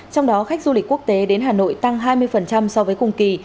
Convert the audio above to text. trong đó khách du lịch quốc tế đến hà nội tăng hai mươi so với cùng kỳ